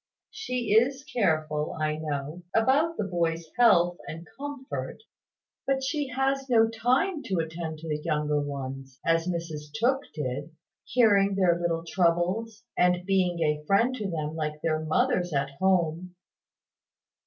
She is careful, I know, about the boys' health and comfort; but she has no time to attend to the younger ones, as Mrs Tooke did, hearing their little troubles, and being a friend to them like their mothers at home."